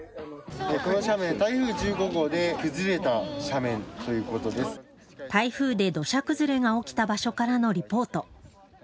台風で土砂崩れが起きた場所からのリポート。